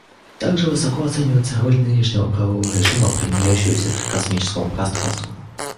Также высоко оценивается роль нынешнего правового режима, применяющегося к космическому пространству.